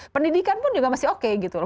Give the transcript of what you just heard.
pendidikan pun juga masih oke gitu loh